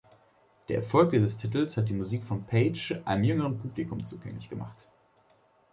Der Erfolg dieses Titels hat die Musik von Page einem jüngeren Publikum zugänglich gemacht.